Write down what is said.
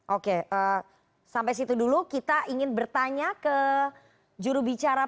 oke sampai situ dulu kita ingin bertanya ke jurubicara